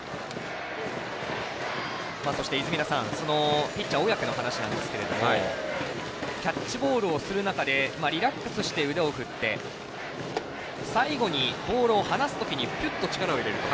そして泉田さんピッチャー、小宅の話ですがキャッチボールをする中でリラックスして腕を振って最後にボールを放すときに力を入れると。